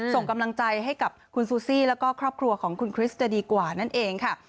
ส่งกำลังใจให้กับคุณซูซี่แล้วก็ครอบครัวของคุณคริสจะดีกว่านั่นเองค่ะ